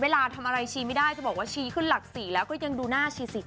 เวลาทำอะไรชีไม่ได้จะบอกว่าชีขึ้นหลัก๔แล้วก็ยังดูหน้าชีสิ